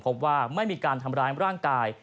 พบว่าไม่มีการทำร้ายร่างกาย